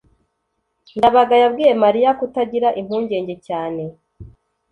ndabaga yabwiye mariya kutagira impungenge cyane